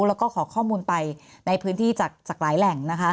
แล้วก็ขอข้อมูลไปในพื้นที่จากหลายแหล่งนะคะ